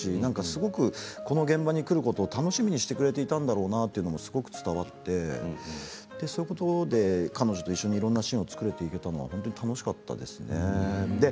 すごく、この現場に来ることを楽しみにしてくれていたんだろうなってすごく伝わって彼女といろんなシーンを一緒に作れていったのはすごい楽しかったですね。